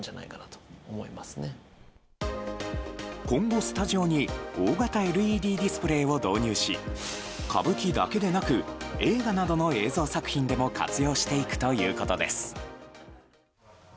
今後スタジオに大型ＬＥＤディスプレーを導入し歌舞伎だけでなく映画などの映像作品でも活用していくということです。